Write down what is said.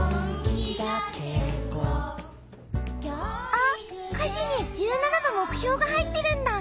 あっ歌詞に１７の目標が入ってるんだ。